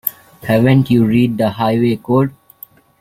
Haven't you read the Highway Code?